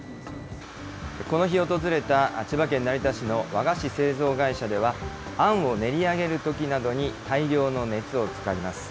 この日訪れた千葉県成田市の和菓子製造会社では、あんを練り上げるときなどに大量の熱を使います。